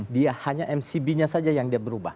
dia hanya mcb nya saja yang dia berubah